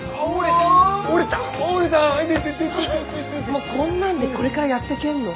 もうこんなんでこれからやってけんの？